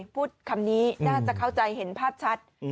พูดคำนี้น่าจะเข้าใจเห็นภาพชัด